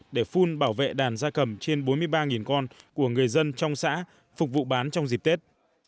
để phun bảo vệ đàn da cầm trên bốn mươi ba con của người dân trong xã phục vụ bán trong dịp tết